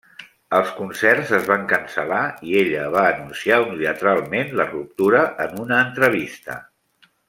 Els concerts es van cancel·lar i ella va anunciar unilateralment la ruptura en una entrevista.